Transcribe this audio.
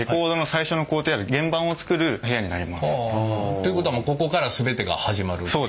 ということはもうここから全てが始まるっていう？